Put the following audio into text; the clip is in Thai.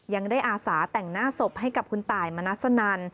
ยังได้อาสาแต่งหน้าศพให้กับคุณตายมณัสนัน